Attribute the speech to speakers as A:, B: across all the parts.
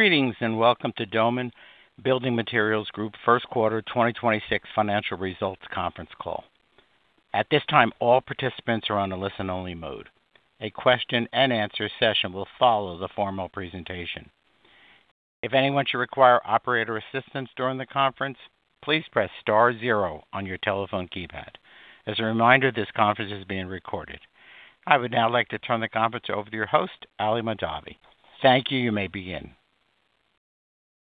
A: Greetings, and welcome to Doman Building Materials Group first quarter 2026 financial results conference call. At this time, all participants are on a listen-only mode. A question and answer session will follow the formal presentation. If anyone should require operator assistance during the conference, please press star zero on your telephone keypad. As a reminder, this conference is being recorded. I would now like to turn the conference over to your host, Ali Mahdavi. Thank you. You may begin.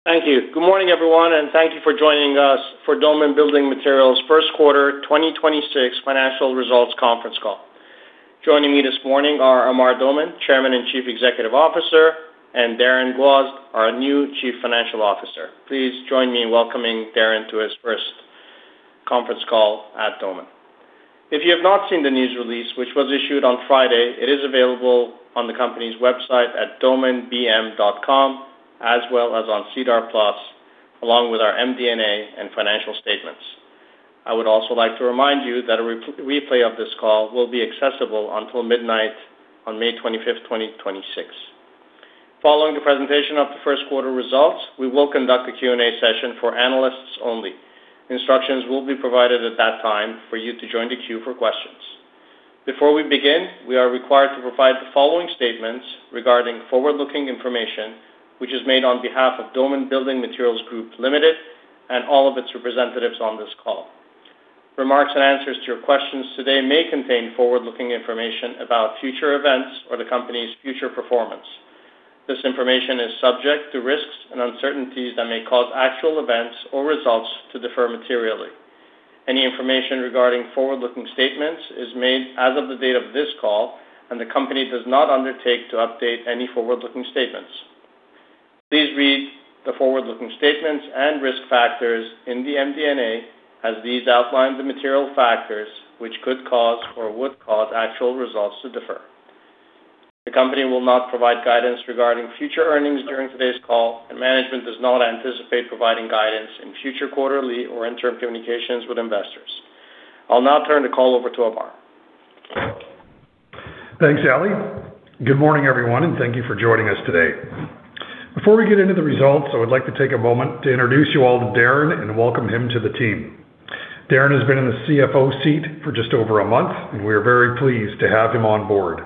B: Thank you. Good morning, everyone, and thank you for joining us for Doman Building Materials first quarter 2026 financial results conference call. Joining me this morning are Amar Doman, Chairman and Chief Executive Officer, and Darren Gwozd, our new Chief Financial Officer. Please join me in welcoming Darren to his first conference call at Doman. If you have not seen the news release, which was issued on Friday, it is available on the company's website at domanbm.com, as well as on SEDAR+, along with our MD&A and financial statements. I would also like to remind you that a re-replay of this call will be accessible until midnight on May 25, 2026. Following the presentation of the first quarter results, we will conduct a Q&A session for analysts only. Instructions will be provided at that time for you to join the queue for questions. Before we begin, we are required to provide the following statements regarding forward-looking information, which is made on behalf of Doman Building Materials Group Ltd. and all of its representatives on this call. Remarks and answers to your questions today may contain forward-looking information about future events or the company's future performance. This information is subject to risks and uncertainties that may cause actual events or results to differ materially. Any information regarding forward-looking statements is made as of the date of this call, and the company does not undertake to update any forward-looking statements. Please read the forward-looking statements and risk factors in the MD&A as these outline the material factors which could cause or would cause actual results to differ. The company will not provide guidance regarding future earnings during today's call, and management does not anticipate providing guidance in future quarterly or interim communications with investors. I'll now turn the call over to Amar.
C: Thanks, Ali. Good morning, everyone, and thank you for joining us today. Before we get into the results, I would like to take a moment to introduce you all to Darren and welcome him to the team. Darren has been in the CFO seat for just over a month, and we are very pleased to have him on board.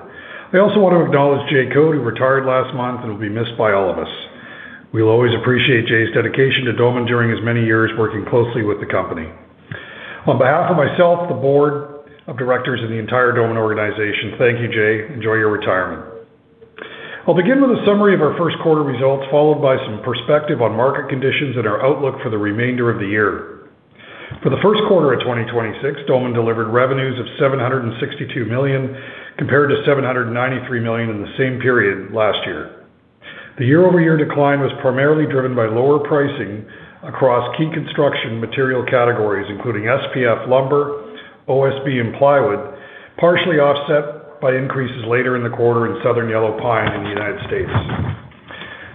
C: I also want to acknowledge James Code, who retired last month and will be missed by all of us. We'll always appreciate Jay's dedication to Doman during his many years working closely with the company. On behalf of myself, the board of directors and the entire Doman organization, thank you, Jay. Enjoy your retirement. I'll begin with a summary of our first quarter results, followed by some perspective on market conditions and our outlook for the remainder of the year. For the first quarter of 2026, Doman delivered revenues of 762 million, compared to 793 million in the same period last year. The year-over-year decline was primarily driven by lower pricing across key construction material categories, including SPF lumber, OSB, and plywood, partially offset by increases later in the quarter in Southern Yellow Pine in the U.S.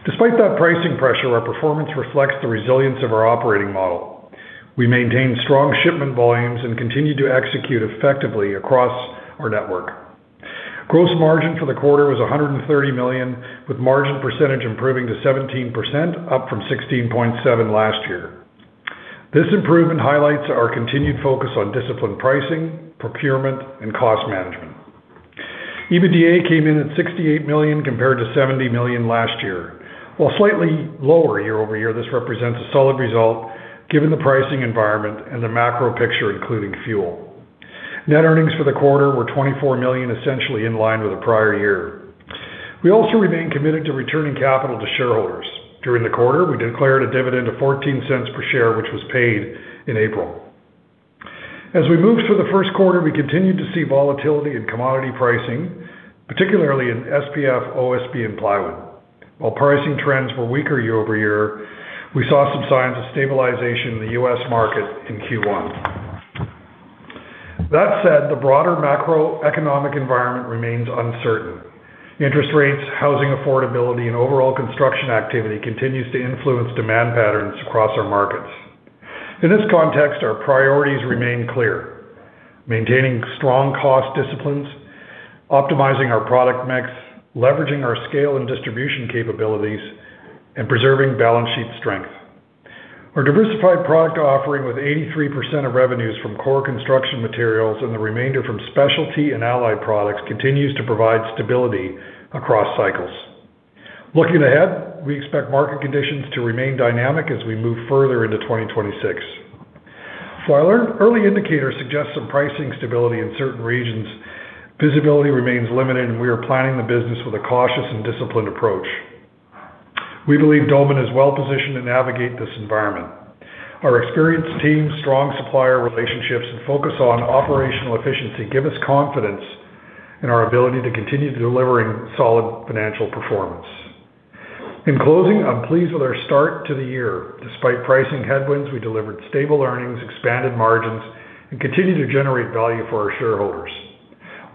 C: Despite that pricing pressure, our performance reflects the resilience of our operating model. We maintained strong shipment volumes and continued to execute effectively across our network. Gross margin for the quarter was 130 million, with margin percentage improving to 17%, up from 16.7% last year. This improvement highlights our continued focus on disciplined pricing, procurement, and cost management. EBITDA came in at 68 million compared to 70 million last year. While slightly lower year-over-year, this represents a solid result given the pricing environment and the macro picture, including fuel. Net earnings for the quarter were 24 million, essentially in line with the prior year. We also remain committed to returning capital to shareholders. During the quarter, we declared a dividend of 0.14 per share, which was paid in April. As we move through the first quarter, we continued to see volatility in commodity pricing, particularly in SPF, OSB, and plywood. While pricing trends were weaker year-over-year, we saw some signs of stabilization in the U.S. market in Q1. That said, the broader macroeconomic environment remains uncertain. Interest rates, housing affordability, and overall construction activity continues to influence demand patterns across our markets. In this context, our priorities remain clear: maintaining strong cost disciplines, optimizing our product mix, leveraging our scale and distribution capabilities, and preserving balance sheet strength. Our diversified product offering with 83% of revenues from core construction materials and the remainder from specialty and allied products continues to provide stability across cycles. Looking ahead, we expect market conditions to remain dynamic as we move further into 2026. While our early indicators suggest some pricing stability in certain regions, visibility remains limited, and we are planning the business with a cautious and disciplined approach. We believe Doman is well-positioned to navigate this environment. Our experienced team, strong supplier relationships, and focus on operational efficiency give us confidence in our ability to continue delivering solid financial performance. In closing, I'm pleased with our start to the year. Despite pricing headwinds, we delivered stable earnings, expanded margins, and continue to generate value for our shareholders.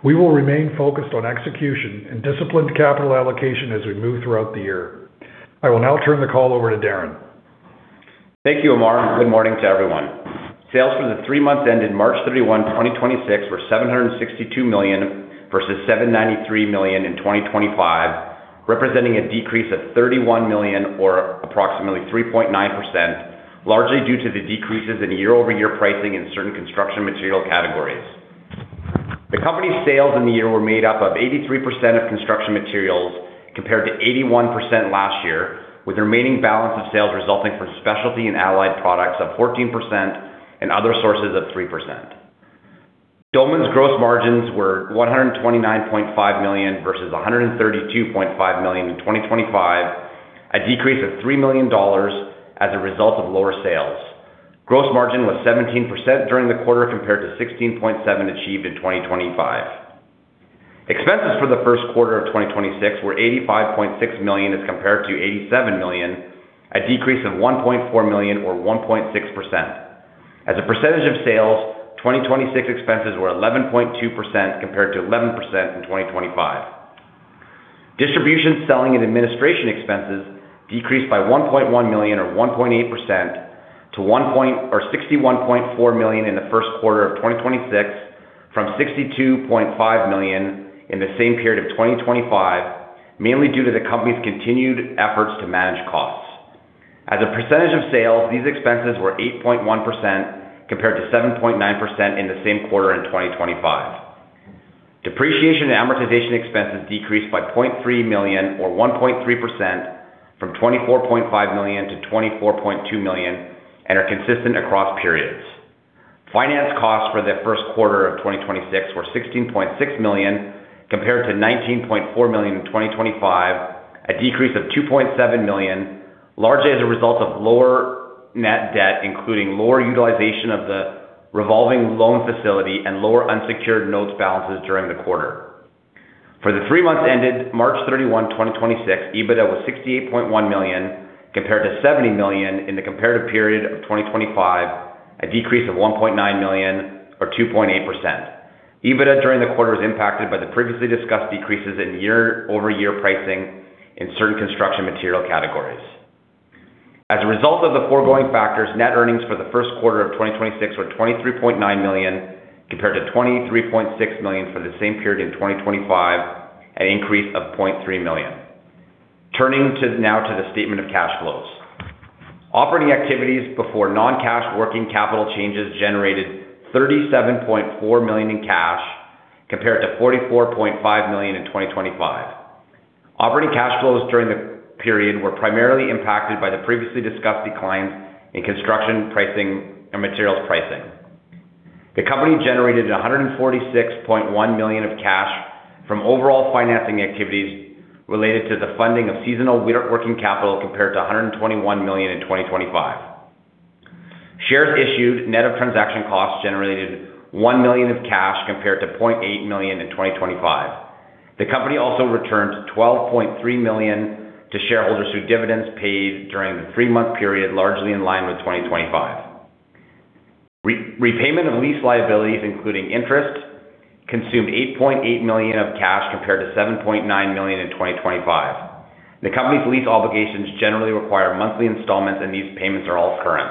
C: We will remain focused on execution and disciplined capital allocation as we move throughout the year. I will now turn the call over to Darren.
D: Thank you, Amar, and good morning to everyone. Sales for the three months ended March 31, 2026 were 762 million versus 793 million in 2025, representing a decrease of 31 million or approximately 3.9%, largely due to the decreases in year-over-year pricing in certain construction material categories. The company's sales in the year were made up of 83% of construction materials compared to 81% last year, with the remaining balance of sales resulting from specialty and allied products of 14% and other sources of 3%. Doman's gross margins were 129.5 million versus 132.5 million in 2025, a decrease of 3 million dollars as a result of lower sales. Gross margin was 17% during the quarter compared to 16.7% achieved in 2025. Expenses for the first quarter of 2026 were 85.6 million as compared to 87 million, a decrease of 1.4 million or 1.6%. As a percentage of sales, 2026 expenses were 11.2% compared to 11% in 2025. Distribution, selling and administration expenses decreased by 1.1 million or 1.8% to 61.4 million in the first quarter of 2026 from 62.5 million in the same period of 2025, mainly due to the company's continued efforts to manage costs. As a percentage of sales, these expenses were 8.1% compared to 7.9% in the same quarter in 2025. Depreciation and amortization expenses decreased by 0.3 million or 1.3% from 24.5 million to 24.2 million and are consistent across periods. Finance costs for the 1st quarter of 2026 were 16.6 million compared to 19.4 million in 2025, a decrease of 2.7 million, largely as a result of lower net debt, including lower utilization of the revolving loan facility and lower unsecured notes balances during the quarter. For the three months ended March 31, 2026, EBITDA was 68.1 million compared to 70 million in the comparative period of 2025, a decrease of 1.9 million or 2.8%. EBITDA during the quarter was impacted by the previously discussed decreases in year-over-year pricing in certain construction material categories. As a result of the foregoing factors, net earnings for the first quarter of 2026 were 23.9 million compared to 23.6 million for the same period in 2025, an increase of 0.3 million. Now to the statement of cash flows. Operating activities before non-cash working capital changes generated 37.4 million in cash compared to 44.5 million in 2025. Operating cash flows during the period were primarily impacted by the previously discussed declines in construction pricing and materials pricing. The company generated 146.1 million of cash from overall financing activities related to the funding of seasonal working capital compared to 121 million in 2025. Shares issued net of transaction costs generated 1 million of cash compared to 0.8 million in 2025. The company also returned 12.3 million to shareholders through dividends paid during the three-month period, largely in line with 2025. Repayment of lease liabilities, including interest, consumed 8.8 million of cash compared to 7.9 million in 2025. The company's lease obligations generally require monthly installments, and these payments are all current.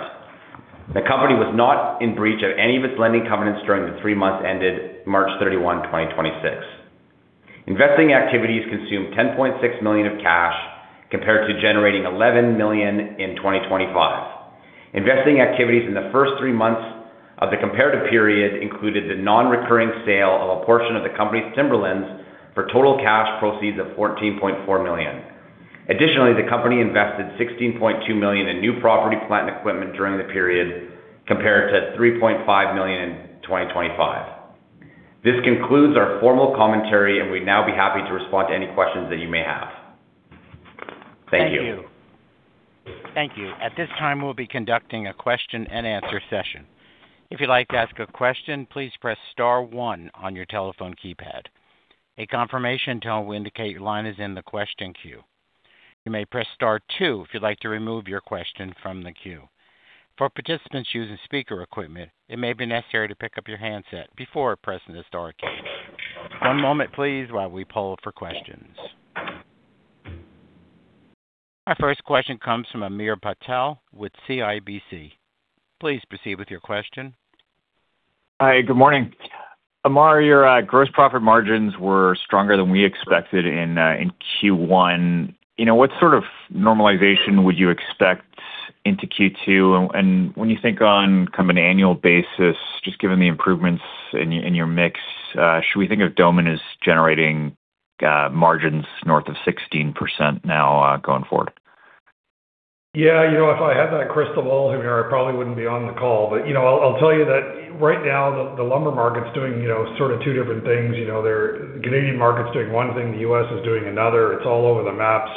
D: The company was not in breach of any of its lending covenants during the three months ended March 31, 2026. Investing activities consumed 10.6 million of cash compared to generating 11 million in 2025. Investing activities in the first three months of the comparative period included the non-recurring sale of a portion of the company's timberlands for total cash proceeds of 14.4 million. Additionally, the company invested 16.2 million in new property, plant and equipment during the period compared to 3.5 million in 2025. This concludes our formal commentary, and we'd now be happy to respond to any questions that you may have. Thank you.
A: Thank you. Thank you. Our first question comes from Hamir Patel with CIBC. Please proceed with your question.
E: Hi, good morning. Amar, your gross profit margins were stronger than we expected in Q1. You know, what sort of normalization would you expect into Q2? When you think on kind of an annual basis, just given the improvements in your mix, should we think of Doman as generating margins north of 16% now, going forward?
C: Yeah, you know, if I had that crystal ball here, I probably wouldn't be on the call. You know, I'll tell you that right now the lumber market's doing, you know, sort of two different things. You know, Canadian market's doing one thing, the U.S. is doing another. It's all over the map.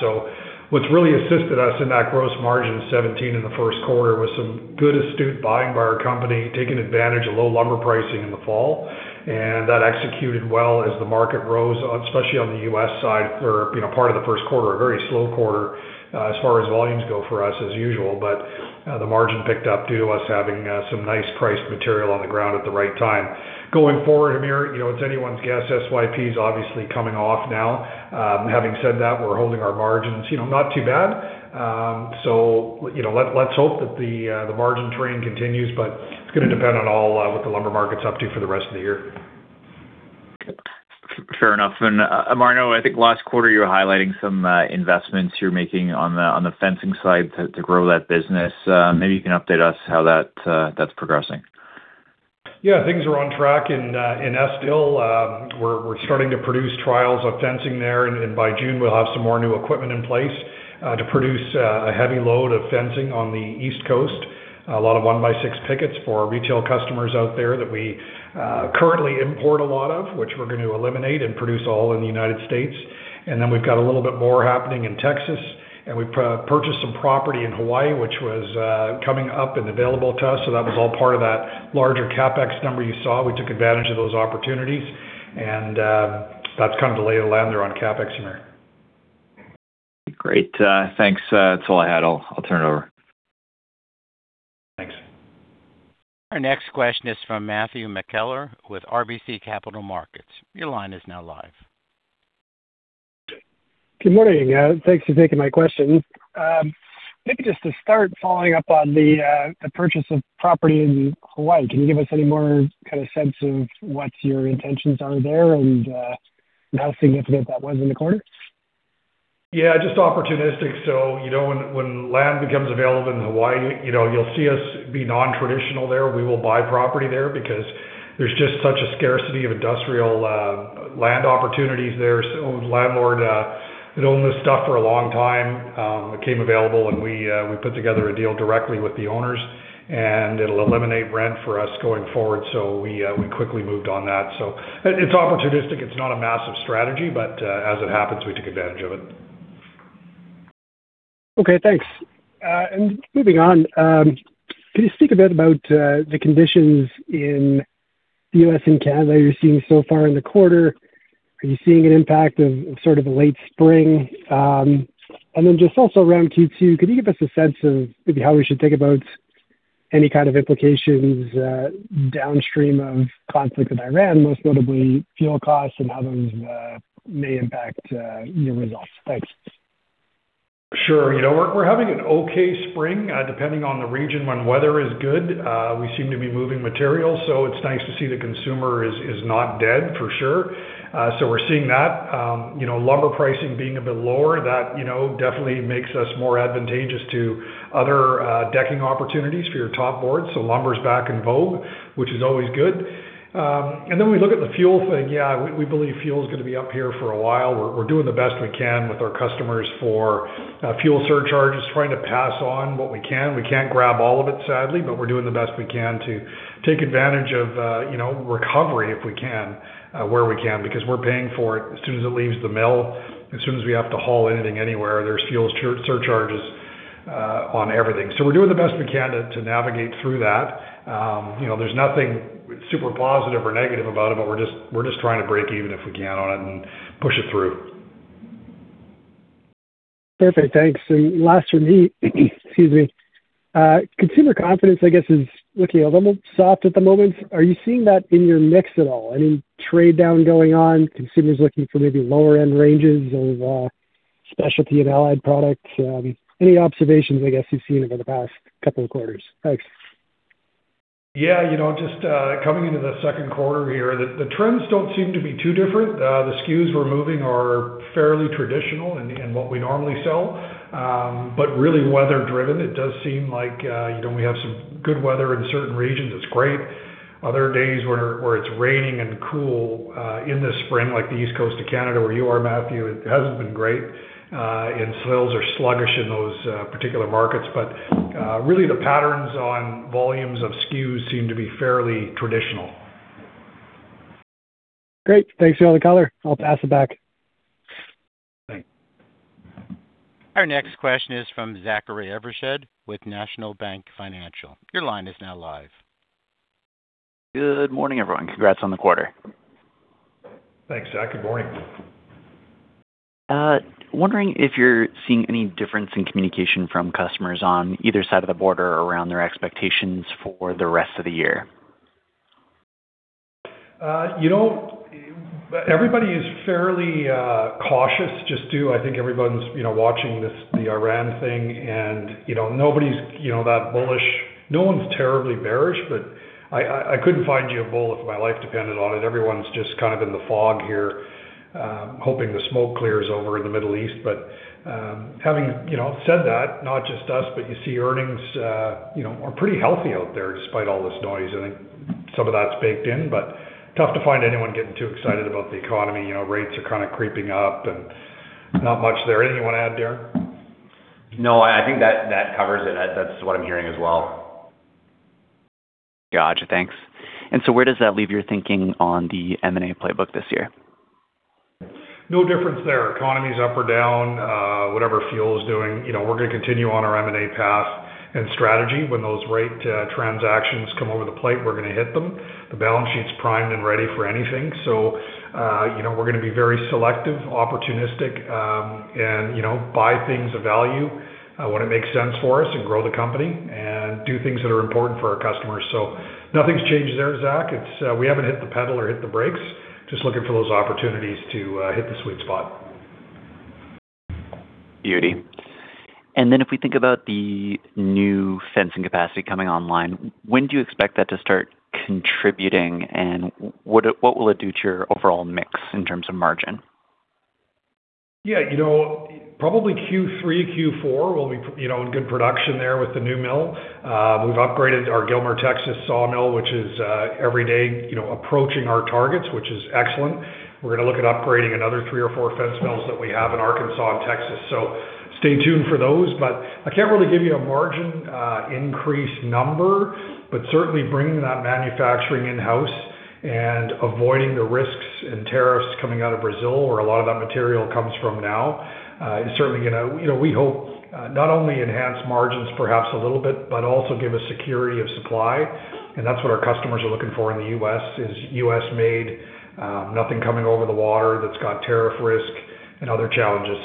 C: What's really assisted us in that gross margin 17 in the first quarter was some good astute buying by our company, taking advantage of low lumber pricing in the fall. That executed well as the market rose on, especially on the U.S. side or, you know, part of the first quarter, a very slow quarter as far as volumes go for us as usual. The margin picked up due to us having some nice priced material on the ground at the right time. Going forward, Hamir, you know, it's anyone's guess. SYP is obviously coming off now. Having said that, we're holding our margins, you know, not too bad. You know, let's hope that the margin trend continues, but it's gonna depend on what the lumber market's up to for the rest of the year.
E: Okay. Fair enough. Amar, I think last quarter you were highlighting some investments you're making on the fencing side to grow that business. Maybe you can update us how that's progressing.
C: Yeah. Things are on track in Estill. We're starting to produce trials of fencing there, and by June, we'll have some more new equipment in place to produce a heavy load of fencing on the East Coast. A lot of 1 by 6 pickets for our retail customers out there that we currently import a lot of, which we're gonna eliminate and produce all in the United States. Then we've got a little bit more happening in Texas, and we've purchased some property in Hawaii, which was coming up and available to us. That was all part of that larger CapEx number you saw. We took advantage of those opportunities, and that's kind of the lay of the land there on CapEx tonight.
E: Great. Thanks. That's all I had. I'll turn it over.
C: Thanks.
A: Our next question is from Matthew McKellar with RBC Capital Markets. Your line is now live.
F: Good morning. Thanks for taking my question. Maybe just to start following up on the purchase of property in Hawaii, can you give us any more kind of sense of what your intentions are there and how significant that was in the quarter?
C: Just opportunistic. You know, when land becomes available in Hawaii, you know, you'll see us be non-traditional there. We will buy property there because there's just such a scarcity of industrial land opportunities there. Landlord had owned this stuff for a long time. It came available, and we put together a deal directly with the owners, and it'll eliminate rent for us going forward. We quickly moved on that. It's opportunistic. It's not a massive strategy, but as it happens, we took advantage of it.
F: Okay. Thanks. Moving on, can you speak a bit about the conditions in the U.S. and Canada you're seeing so far in the quarter? Are you seeing an impact of sort of a late spring? Then just also around Q2, could you give us a sense of maybe how we should think about any kind of implications downstream of conflict with Iran, most notably fuel costs and how those may impact your results? Thanks.
C: Sure. You know, we're having an okay spring, depending on the region. When weather is good, we seem to be moving material, so it's nice to see the consumer is not dead for sure. We're seeing that. You know, lumber pricing being a bit lower, that, you know, definitely makes us more advantageous to other decking opportunities for your top board. Lumber's back in vogue, which is always good. Then we look at the fuel thing. Yeah, we believe fuel's gonna be up here for a while. We're doing the best we can with our customers for fuel surcharges, trying to pass on what we can. We can't grab all of it, sadly, but we're doing the best we can to take advantage of, you know, recovery if we can, where we can because we're paying for it as soon as it leaves the mill. As soon as we have to haul anything anywhere, there's fuel surcharges on everything. We're doing the best we can to navigate through that. You know, there's nothing super positive or negative about it, but we're just trying to break even if we can on it and push it through.
F: Perfect. Thanks. Last from me, excuse me. Consumer confidence, I guess, is looking a little soft at the moment. Are you seeing that in your mix at all? Any trade-down going on, consumers looking for maybe lower end ranges of specialty and allied products? Any observations, I guess, you've seen over the past couple of quarters? Thanks.
C: Yeah. You know, just coming into the second quarter here, the trends don't seem to be too different. The SKUs we're moving are fairly traditional and what we normally sell, but really weather driven. It does seem like, you know, we have some good weather in certain regions. It's great. Other days where it's raining and cool in the spring, like the east coast of Canada where you are, Matthew, it hasn't been great. Sales are sluggish in those particular markets. Really the patterns on volumes of SKUs seem to be fairly traditional.
F: Great. Thanks for all the color. I'll pass it back.
C: Thanks.
A: Our next question is from Zachary Evershed with National Bank Financial. Your line is now live.
G: Good morning, everyone. Congrats on the quarter.
C: Thanks, Zach. Good morning.
G: Wondering if you're seeing any difference in communication from customers on either side of the border around their expectations for the rest of the year?
C: You know, everybody is fairly cautious just too. I think everyone's, you know, watching this, the Iran thing and, you know, nobody's, you know, that bullish. No one's terribly bearish. I couldn't find you a bull if my life depended on it. Everyone's just kind of in the fog here, hoping the smoke clears over in the Middle East. Having, you know, said that, not just us, but you see earnings, you know, are pretty healthy out there despite all this noise. I think some of that's baked in. Tough to find anyone getting too excited about the economy. You know, rates are kind of creeping up and not much there. Anything you wanna add, Darren?
D: No, I think that covers it. That's what I'm hearing as well.
G: Gotcha. Thanks. Where does that leave your thinking on the M&A playbook this year?
C: No difference there. Economy's up or down, whatever fuel is doing, you know, we're gonna continue on our M&A path and strategy. When those right transactions come over the plate, we're gonna hit them. The balance sheet's primed and ready for anything. You know, we're gonna be very selective, opportunistic, and, you know, buy things of value when it makes sense for us and grow the company and do things that are important for our customers. Nothing's changed there, Zach. It's, we haven't hit the pedal or hit the brakes, just looking for those opportunities to hit the sweet spot.
G: Beauty. If we think about the new fencing capacity coming online, when do you expect that to start contributing, and what will it do to your overall mix in terms of margin?
C: Yeah, you know, probably Q3, Q4 will be, you know, in good production there with the new mill. We've upgraded our Gilmer, Texas sawmill, which is, every day, you know, approaching our targets, which is excellent. We're gonna look at upgrading another three or four fence mills that we have in Arkansas and Texas. Stay tuned for those. I can't really give you a margin, increase number, but certainly bringing that manufacturing in-house and avoiding the risks and tariffs coming out of Brazil, where a lot of that material comes from now, is certainly gonna, you know, we hope, not only enhance margins perhaps a little bit, but also give us security of supply. That's what our customers are looking for in the U.S., is U.S.-made, nothing coming over the water that's got tariff risk and other challenges.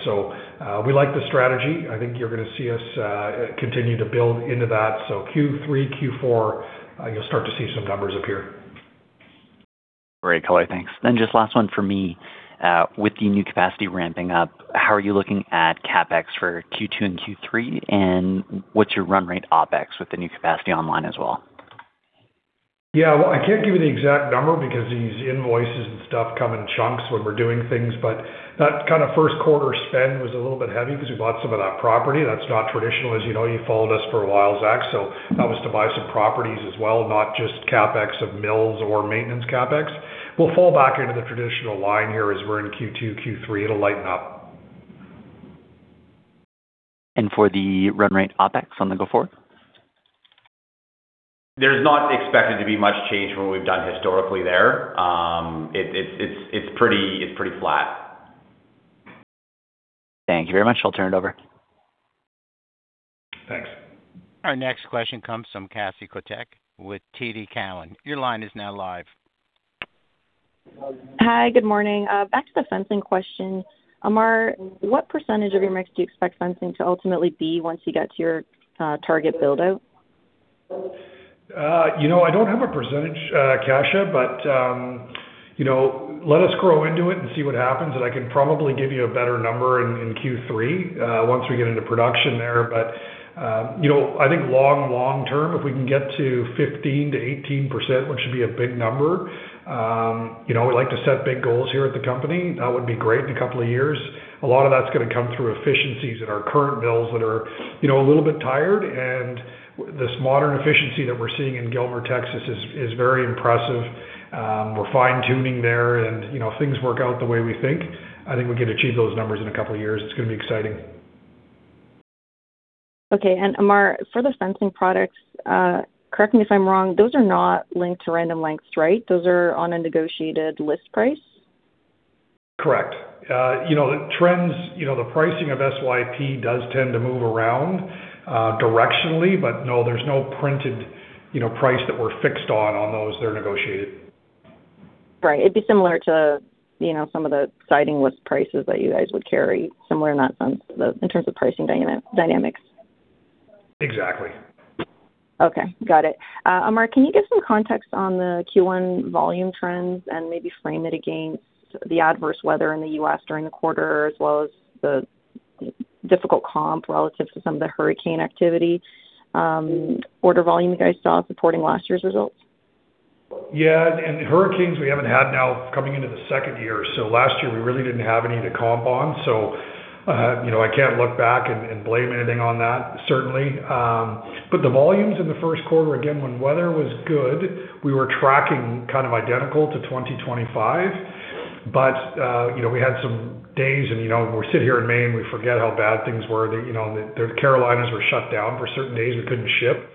C: We like the strategy. I think you're gonna see us continue to build into that. Q3, Q4, you'll start to see some numbers appear.
G: Great. Okay, thanks. Just last one for me. With the new capacity ramping up, how are you looking at CapEx for Q2 and Q3, and what's your run rate OpEx with the new capacity online as well?
C: Yeah, well, I can't give you the exact number because these invoices and stuff come in chunks when we're doing things. That kind of first quarter spend was a little bit heavy because we bought some of that property. That's not traditional. As you know, you followed us for a while, Zach. That was to buy some properties as well, not just CapEx of mills or maintenance CapEx. We'll fall back into the traditional line here as we're in Q2, Q3. It'll lighten up.
G: For the run rate OpEx on the go forward?
D: There's not expected to be much change from what we've done historically there. It's pretty flat.
G: Thank you very much. I'll turn it over.
C: Thanks.
A: Our next question comes from Kasia Kopytek with TD Cowen. Your line is now live.
H: Hi. Good morning. Back to the fencing question. Amar, what percentage of your mix do you expect fencing to ultimately be once you get to your target build-out?
C: You know, I don't have a percentage, Kasia, you know, let us grow into it and see what happens. I can probably give you a better number in Q3 once we get into production there. You know, I think long, long term, if we can get to 15%-18%, which should be a big number, you know, we like to set big goals here at the company. That would be great in a couple years. A lot of that's gonna come through efficiencies in our current mills that are, you know, a little bit tired. This modern efficiency that we're seeing in Gilmer, Texas is very impressive. We're fine-tuning there and, you know, if things work out the way we think, I think we can achieve those numbers in a couple years. It's gonna be exciting.
H: Okay. Amar, for the fencing products, correct me if I'm wrong, those are not linked to random lengths, right? Those are on a negotiated list price?
C: Correct. You know, the trends, you know, the pricing of SYP does tend to move around, directionally, but no, there's no printed, you know, price that we're fixed on on those. They're negotiated.
H: Right. It'd be similar to, you know, some of the siding list prices that you guys would carry, similar in that sense, the, in terms of pricing dynamics.
C: Exactly.
H: Okay. Got it. Amar, can you give some context on the Q1 volume trends and maybe frame it against the adverse weather in the U.S. during the quarter as well as the difficult comp relative to some of the hurricane activity, order volume you guys saw supporting last year's results?
C: Yeah, hurricanes we haven't had now coming into the second year. Last year we really didn't have any to comp on. You know, I can't look back and blame anything on that, certainly. The volumes in the first quarter, again, when weather was good, we were tracking kind of identical to 2025. You know, we had some days and, you know, we sit here in May, we forget how bad things were. You know, the Carolinas were shut down for certain days. We couldn't ship.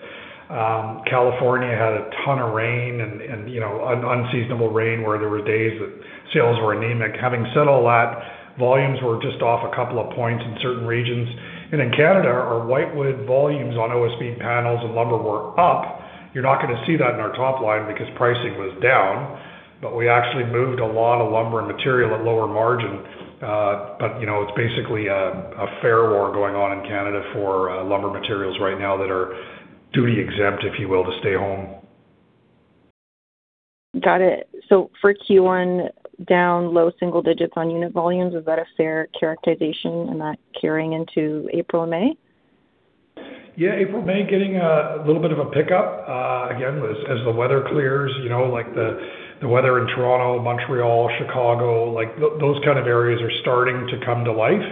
C: California had a ton of rain and, you know, unseasonable rain where there were days that sales were anemic. Having said all that, volumes were just off a couple of points in certain regions. In Canada, our whitewood volumes on OSB panels and lumber were up. You're not gonna see that in our top line because pricing was down. We actually moved a lot of lumber and material at lower margin. You know, it's basically a fair war going on in Canada for lumber materials right now that are duty exempt, if you will, to stay home.
H: Got it. For Q1, down low single digits on unit volumes, is that a fair characterization and that carrying into April and May?
C: Yeah, April, May getting a little bit of a pickup again, as the weather clears. You know, like the weather in Toronto, Montreal, Chicago, like those kind of areas are starting to come to life.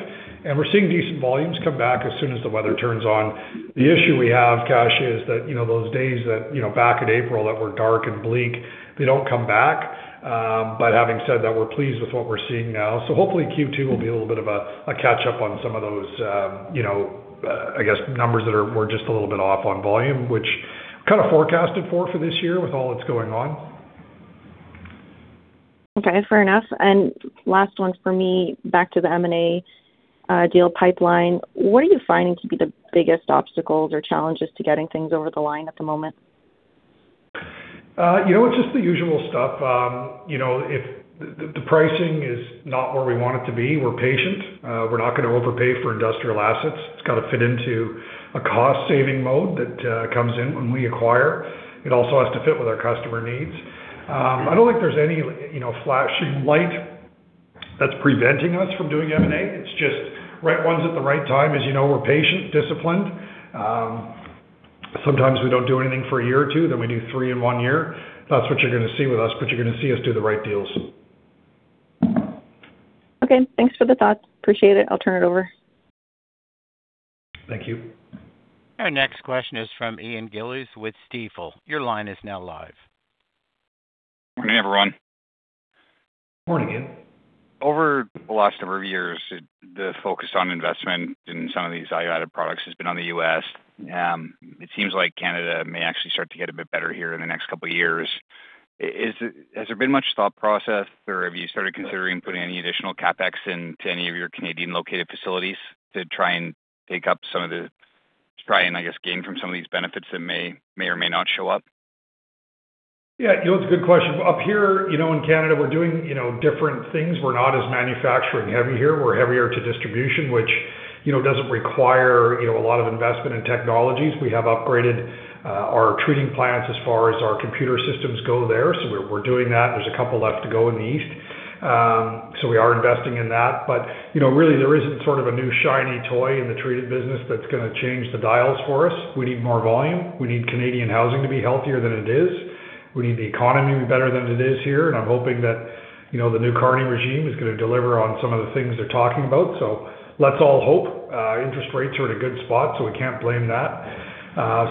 C: We're seeing decent volumes come back as soon as the weather turns on. The issue we have, Kasia, is that, you know, those days that, you know, back in April that were dark and bleak, they don't come back. Having said that, we're pleased with what we're seeing now. Hopefully Q2 will be a little bit of a catch up on some of those, you know, I guess numbers that were just a little bit off on volume, which kind of forecasted for this year with all that's going on.
H: Okay. Fair enough. Last one for me, back to the M&A deal pipeline. What are you finding to be the biggest obstacles or challenges to getting things over the line at the moment?
C: You know, it's just the usual stuff. You know, if the pricing is not where we want it to be, we're patient. We're not gonna overpay for industrial assets. It's gotta fit into a cost-saving mode that comes in when we acquire. It also has to fit with our customer needs. I don't think there's any you know, flashing light that's preventing us from doing M&A. It's just right ones at the right time. As you know, we're patient, disciplined. Sometimes we don't do anything for a year or two, then we do three in one year. That's what you're gonna see with us, but you're gonna see us do the right deals.
H: Okay. Thanks for the thoughts. Appreciate it. I'll turn it over.
C: Thank you.
A: Our next question is from Ian Gillies with Stifel.
I: Morning, everyone.
C: Morning, Ian.
I: Over the last number of years, the focus on investment in some of these high added products has been on the U.S. It seems like Canada may actually start to get a bit better here in the next couple of years. Has there been much thought process or have you started considering putting any additional CapEx into any of your Canadian-located facilities to try and take up some of the, I guess, gain from some of these benefits that may or may not show up?
C: You know, it's a good question. Up here, you know, in Canada, we're doing, you know, different things. We're not as manufacturing-heavy here. We're heavier to distribution, which, you know, doesn't require, you know, a lot of investment in technologies. We have upgraded our treating plants as far as our computer systems go there, so we're doing that. There's a couple left to go in the east. We are investing in that. You know, really, there isn't sort of a new shiny toy in the treated business that's gonna change the dials for us. We need more volume. We need Canadian housing to be healthier than it is. We need the economy to be better than it is here. I'm hoping that, you know, the new Carney regime is gonna deliver on some of the things they're talking about. Let's all hope. Interest rates are in a good spot, we can't blame that.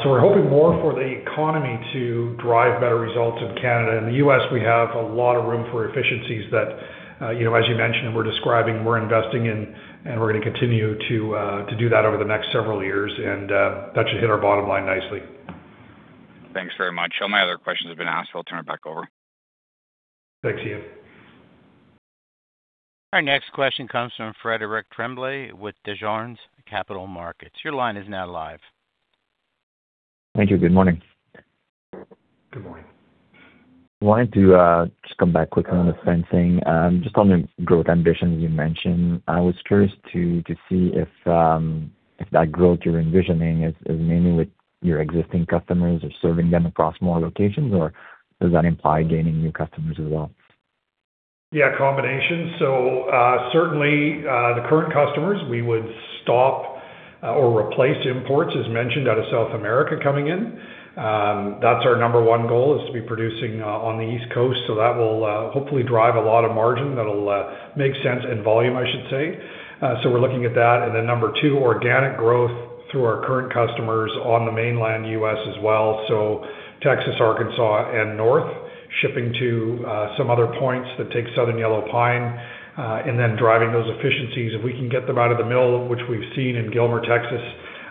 C: We're hoping more for the economy to drive better results in Canada. In the U.S., we have a lot of room for efficiencies that, you know, as you mentioned, we're describing, we're investing in, and we're gonna continue to do that over the next several years. That should hit our bottom line nicely.
I: Thanks very much. All my other questions have been asked. I'll turn it back over.
C: Thanks, Ian.
A: Our next question comes from Frederic Tremblay with Desjardins Capital Markets. Your line is now live.
J: Thank you. Good morning.
C: Good morning.
J: Wanted to just come back quickly on the fencing. Just on the growth ambitions you mentioned, I was curious to see if that growth you're envisioning is mainly with your existing customers or serving them across more locations, or does that imply gaining new customers as well?
C: Yeah, a combination. Certainly, the current customers, we would stop or replace imports, as mentioned, out of South America coming in. That's our number one goal is to be producing on the East Coast, so that will hopefully drive a lot of margin. That'll make sense in volume, I should say. We're looking at that and number two, organic growth through our current customers on the mainland U.S. as well. Texas, Arkansas, and North, shipping to some other points that take Southern Yellow Pine, and then driving those efficiencies. If we can get them out of the mill, which we've seen in Gilmer, Texas,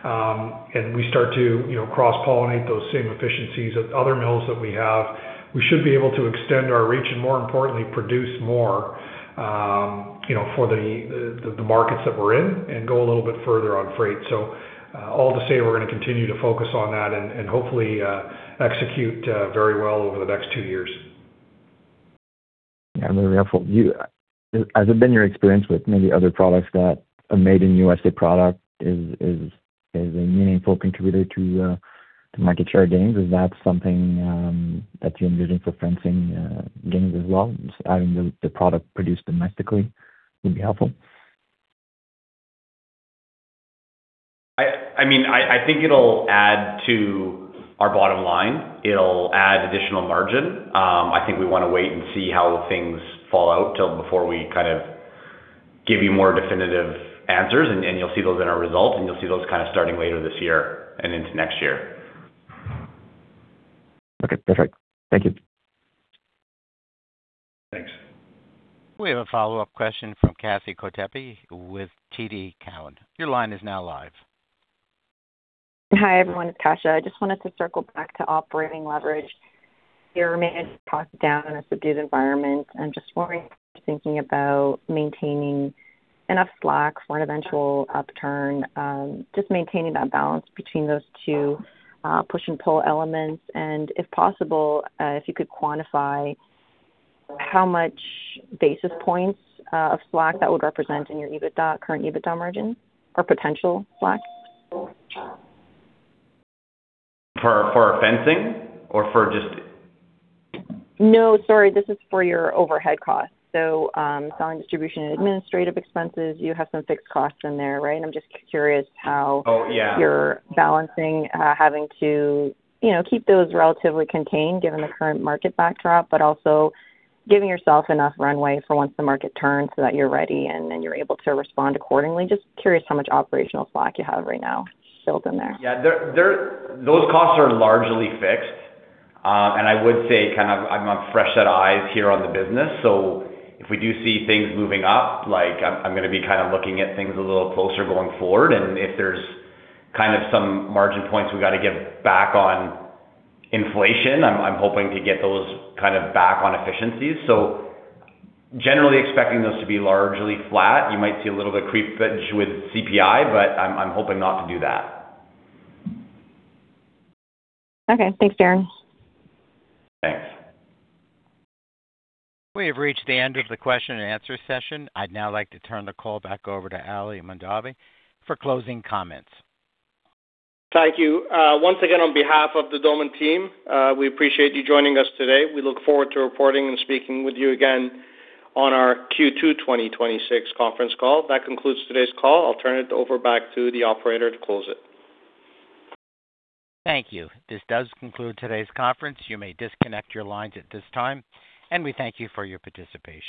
C: and we start to, you know, cross-pollinate those same efficiencies at other mills that we have, we should be able to extend our reach and more importantly, produce more, you know, for the markets that we're in and go a little bit further on freight. All to say we're gonna continue to focus on that and hopefully execute very well over the next two years.
J: Yeah, that'd be helpful. Has it been your experience with maybe other products that a Made in U.S.A. product is a meaningful contributor to market share gains? Is that something that you're envisioning for fencing gains as well? Just adding the product produced domestically would be helpful.
D: I mean, I think it'll add to our bottom line. It'll add additional margin. I think we wanna wait and see how things fall out till before we kind of give you more definitive answers, and you'll see those in our results, and you'll see those kind of starting later this year and into next year.
J: Okay. That's right. Thank you.
C: Thanks.
A: We have a follow-up question from Kasia Kopytek with TD Cowen. Your line is now live.
H: Hi, everyone. It's Kasia. I just wanted to circle back to operating leverage. You're managing costs down in a subdued environment. I'm just wondering if you're thinking about maintaining enough slack for an eventual upturn, just maintaining that balance between those two push and pull elements. If possible, if you could quantify how much basis points of slack that would represent in your EBITDA, current EBITDA margin or potential slack?
D: For fencing or for just.
H: No, sorry. This is for your overhead costs. Selling, distribution, and administrative expenses, you have some fixed costs in there, right?
D: Oh, yeah.
H: I am just curious how you're balancing, having to, you know, keep those relatively contained given the current market backdrop, but also giving yourself enough runway for once the market turns so that you're ready and then you're able to respond accordingly. Just curious how much operational slack you have right now built in there?
D: Yeah. Those costs are largely fixed. I would say kind of I'm a fresh set eyes here on the business. If we do see things moving up, like I'm gonna be kind of looking at things a little closer going forward. If there's kind of some margin points we gotta get back on inflation, I'm hoping to get those kind of back on efficiencies. Generally expecting those to be largely flat. You might see a little bit creepage with CPI, I'm hoping not to do that.
H: Okay. Thanks, Darren.
D: Thanks.
A: We have reached the end of the question and answer session. I'd now like to turn the call back over to Ali Mahdavi for closing comments.
B: Thank you. Once again, on behalf of the Doman team, we appreciate you joining us today. We look forward to reporting and speaking with you again on our Q2 2026 conference call. That concludes today's call. I'll turn it over back to the operator to close it.
A: Thank you. This does conclude today's conference. You may disconnect your lines at this time, and we thank you for your participation.